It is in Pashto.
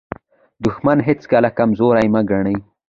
دښمن هیڅکله کمزوری مه ګڼئ.